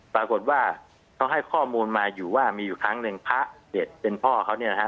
ปรากฏว่าเขาให้ข้อมูลมาอยู่ว่ามีอยู่ครั้งหนึ่งพระเด็ดเป็นพ่อเขาเนี่ยนะฮะ